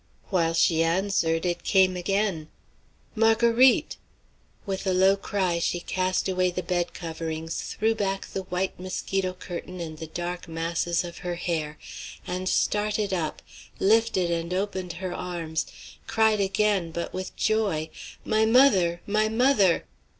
While she answered, it came again, "Marguerite!" With a low cry, she cast away the bed coverings, threw back the white mosquito curtain and the dark masses of her hair, and started up, lifted and opened her arms, cried again, but with joy, "My mother! my mother!"